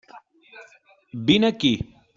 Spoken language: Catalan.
Vine aquí.